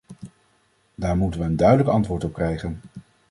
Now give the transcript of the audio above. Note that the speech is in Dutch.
Daar moeten we een duidelijk antwoord op krijgen.